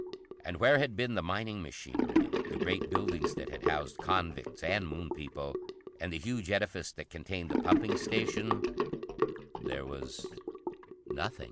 And where had been the mining machinery, the great buildings that had housed convicts and Moon people, and the huge edifice that contained the pumping station, there was nothing.